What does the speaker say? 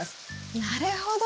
なるほど。